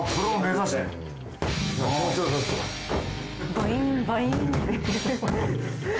バインバインって。